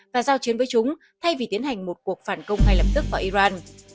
và giao chiến với chúng thay vì tiến hành một cuộc phản công ngay lập tức vào iran